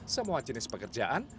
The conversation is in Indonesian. semua jenis pekerjaan